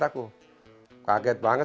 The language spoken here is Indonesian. saya sangat terkejut